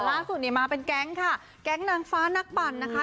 ล่าสุดเนี่ยมาเป็นแก๊งค่ะแก๊งนางฟ้านักปั่นนะคะ